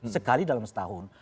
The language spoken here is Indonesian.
sekali dalam setahun